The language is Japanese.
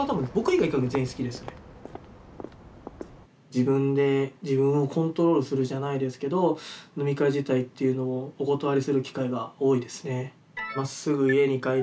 自分で自分をコントロールするじゃないですけど飲み会自体っていうのをお断りする機会が多いですね。